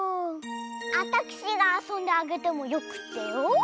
あたくしがあそんであげてもよくってよ。